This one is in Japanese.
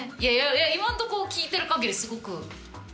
今のところ聞いてる限りすごく。